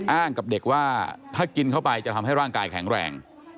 อ้างกับเด็กว่าถ้ากินเข้าไปจะทำให้ร่างกายแข็งแรง